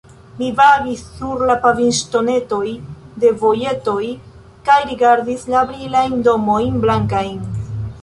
Mi vagis sur la pavimŝtonetoj de vojetoj kaj rigardis la brilajn domojn blankajn.